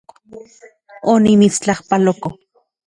Onimitstlajpaloko